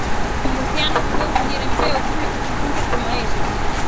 O murciano volveu poñer en pé o público con puntos coma este.